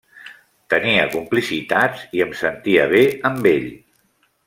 Teníem complicitats i em sentia bé amb ell.